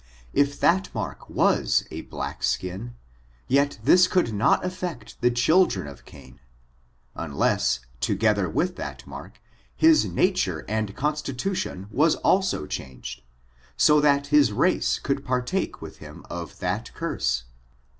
If that mark was a black skin, yet this could not afiect the children of Cain, unless, to gether with that mark, his nature and constitution was also changed, so that his race could partake with him of that curse.